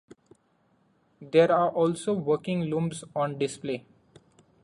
There are also working looms on display.